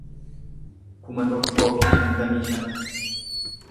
kuma tokkoo fi shantamii shan